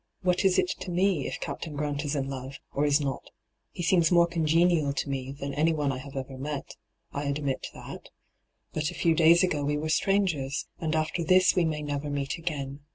' What is it to me if Captain Grant is in love, or is not ? He seems more congenial to me than anyone I have ever met — I admit that. But a few days ago we were strangers, and after this we may never meet again.